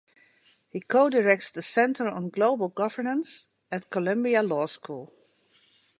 He co-directs the Center on Global Governance at Columbia Law School.